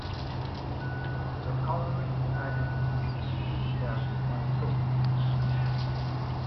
The coloring added to the seal varies by source.